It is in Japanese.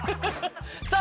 さあ